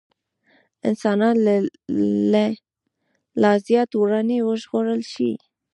انسان له لا زيات وراني وژغورل شي.